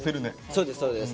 そうですそうです。